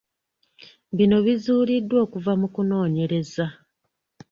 Bino bizuuliddwa okuva mu kunoonyereza.